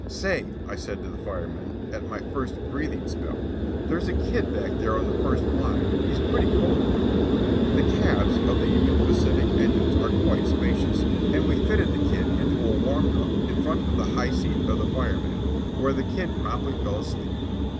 "Say," I said to the fireman, at my first breathing spell, "there's a little kid back there on the first blind. He's pretty cold." The cabs on the Union Pacific engines are quite spacious, and we fitted the kid into a warm nook in front of the high seat of the fireman, where the kid promptly fell asleep.